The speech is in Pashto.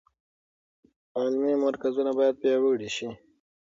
علمي مرکزونه باید پیاوړي شي.